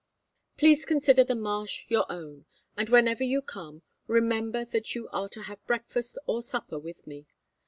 Please consider the marsh your own; and whenever you come, remember that you are to have breakfast or supper with me.